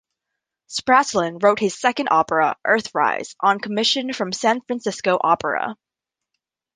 Spratlan wrote his second opera, "Earthrise", on commission from San Francisco Opera.